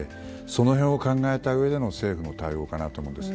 その辺を考えたうえでの政府の対応かと思うんです。